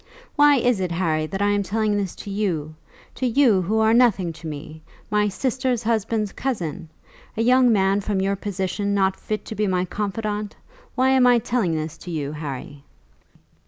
Why is it, Harry, that I am telling this to you; to you, who are nothing to me; my sister's husband's cousin; a young man, from your position not fit to be my confidant? Why am I telling this to you, Harry?"